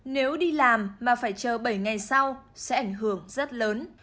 nếu đi làm mà phải chờ bảy ngày sau sẽ ảnh hưởng rất lớn